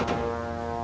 terima kasih pak